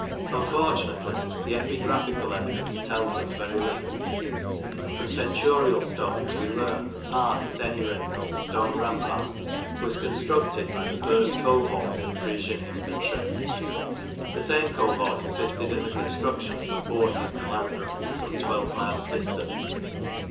Unfortunately, the epigraphical evidence tells us very little. From centurial stones we learn that part at any rate of the stone rampart was constructed by the first cohort of Frisian infantry. The same cohort assisted in the construction of the fort at Melandra, some twelve miles distant.